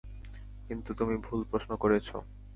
কিন্তু তুমি ভুল প্রশ্ন করেছ।